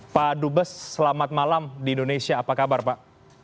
pak dubes selamat malam di indonesia apa kabar pak